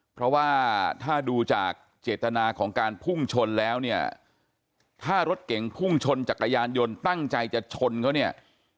เพราะว่าถ้าดูจากเจตนาของการพุ่งชนแล้วเนี่ยถ้ารถเก่งพุ่งชนจักรยานยนต์ตั้งใจจะชนเขาเนี่ย